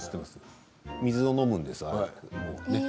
水を飲むんです。